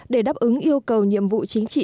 để đáp ứng yêu cầu nhiệm vụ chính trị